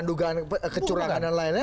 itu dugaan dugaan kecurangan dan lain lain